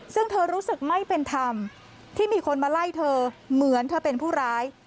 ซึ่งเธอรู้สึกไม่เป็นธรรมที่มีคนมาไล่เธอเหมือนเธอเป็นผู้ร้าย